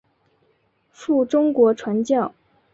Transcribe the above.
赴中国传教。